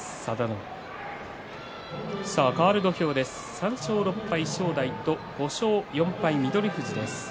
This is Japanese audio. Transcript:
３勝６敗の正代と５勝４敗の翠富士です。